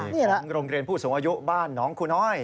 นี่แหละของโรงเรียนผู้สูงอายุบ้านน้องคุณ้อย